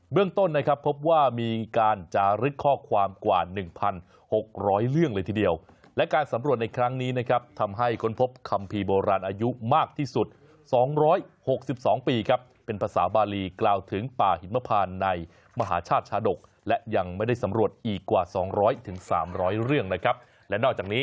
เรื่องต้นนะครับพบว่ามีการจารึกข้อความกว่า๑๖๐๐เรื่องเลยทีเดียวและการสำรวจในครั้งนี้นะครับทำให้ค้นพบคัมภีร์โบราณอายุมากที่สุด๒๖๒ปีครับเป็นภาษาบาลีกล่าวถึงป่าหิมพานในมหาชาติชาดกและยังไม่ได้สำรวจอีกกว่า๒๐๐๓๐๐เรื่องนะครับและนอกจากนี้